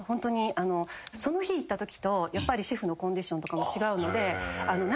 その日行ったときとシェフのコンディションとかも違うので。